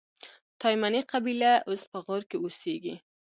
تایمني قبیله اوس په غور کښي اوسېږي.